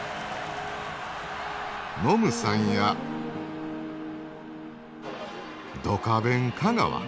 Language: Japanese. ノムさんやドカベン香川。